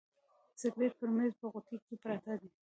سګرېټ پر میز په قوطۍ کي پراته دي.